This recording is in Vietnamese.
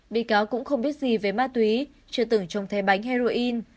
bị cáo cũng không biết gì về ma túy chưa từng trông thấy bánh heroin